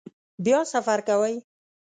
بیا سفر کوئ؟